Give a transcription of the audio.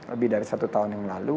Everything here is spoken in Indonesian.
lebih dari satu tahun yang lalu